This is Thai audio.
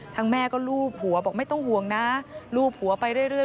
แม่ก็ลูบหัวบอกไม่ต้องห่วงนะลูบหัวไปเรื่อย